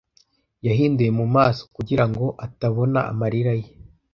Yahinduye mu maso kugira ngo atabona amarira ye.